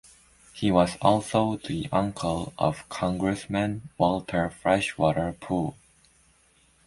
He was also the uncle of Congressman Walter Freshwater Pool.